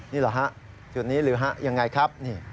นี่เหรอฮะจุดนี้หรือฮะยังไงครับ